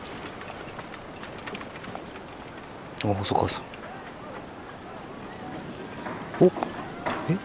あっ細川さん。おっえっ？